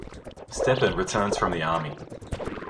Stepan returns from the army.